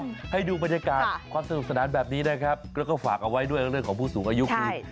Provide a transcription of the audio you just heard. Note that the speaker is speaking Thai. ให้ดูบรรยากาศความสนุกสนานแบบนี้นะครับแล้วก็ฝากเอาไว้ด้วยเรื่องของผู้สูงอายุคือ